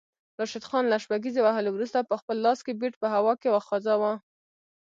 راشد خان له شپږیزې وهلو وروسته پخپل لاس کې بیټ په هوا کې وخوځاوه